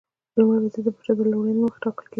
لومړی وزیر د پاچا د لورینې له مخې ټاکل کېږي.